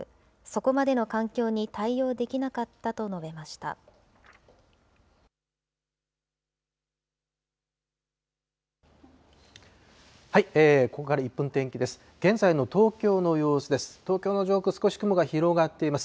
ここから１分天気です。